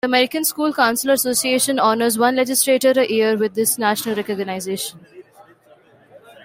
The American School Counselor Association honors one legislator a year with this national recognition.